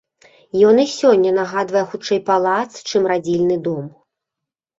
Ён і сёння нагадвае хутчэй палац, чым радзільны дом.